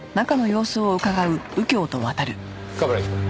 冠城くん。